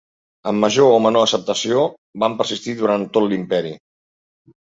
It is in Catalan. Amb major o menor acceptació van persistir durant tot l'Imperi.